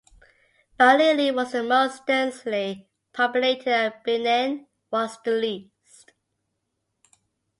Balili was the most densely populated, and Bineng was the least.